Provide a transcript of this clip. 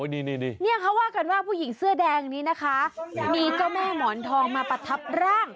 นี่เขาว่ากันว่าผู้หญิงเสื้อแดงนี้นะคะมีเจ้าแม่หมอนทองมาประทับร่าง